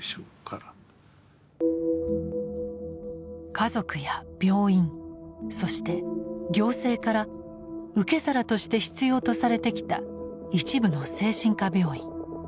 家族や病院そして行政から受け皿として必要とされてきた一部の精神科病院。